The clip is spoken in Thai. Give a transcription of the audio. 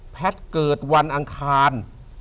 แพทย์เกิดวันอางคาร